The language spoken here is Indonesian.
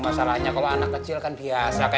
masalahnya kalau anak kecil kan biasa